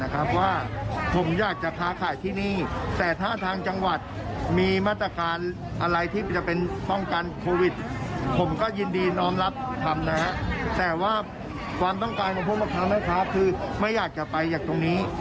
ความต้องการมาพบพ่อค้าแม่ค้าคือไม่อยากจะไปอย่างตรงนี้